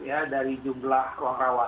ya dari jumlah ruang rawat